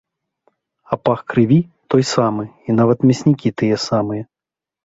А пах крыві той самы і нават мяснікі тыя самыя.